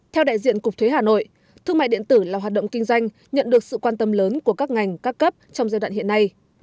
theo đại diện cục thuế hà nội thương mại điện tử là hoạt động kinh doanh nhận được sự quan tâm lớn của các ngành các cấp trong giai đoạn hiện nay